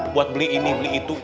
buat beli ini beli itu